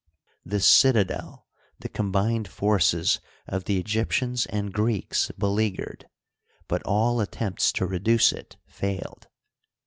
This citadel the combined forces of the Egyptians and Creeks beleaguered, but all attempts to reduce it failed.